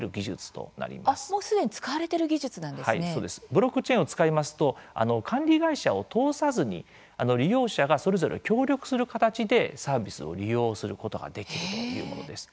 ブロックチェーンを使いますと管理会社を通さずに利用者が、それぞれ協力する形でサービスを利用することができるというものです。